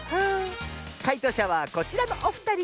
かいとうしゃはこちらのおふたり！